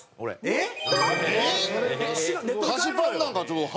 えっ！？